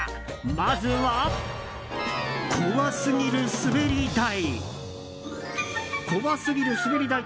まずは、怖すぎる滑り台。